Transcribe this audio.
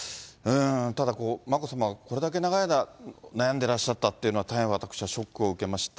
ただ、眞子さまがこれだけ長い間、悩んでらっしゃったというのは、大変、私はショックを受けました。